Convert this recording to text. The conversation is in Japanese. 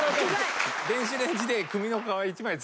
電子レンジで。